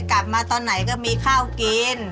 กลับมาตอนไหนก็มีข้าวกิน